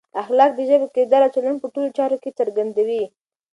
اخلاق د ژبې، کردار او چلند په ټولو چارو کې څرګندوي.